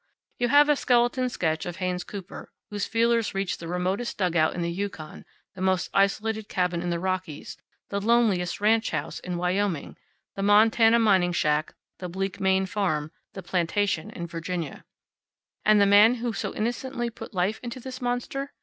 You have a skeleton sketch of Haynes Cooper, whose feelers reach the remotest dugout in the Yukon, the most isolated cabin in the Rockies, the loneliest ranch house in Wyoming; the Montana mining shack, the bleak Maine farm, the plantation in Virginia. And the man who had so innocently put life into this monster?